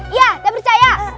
iya gak percaya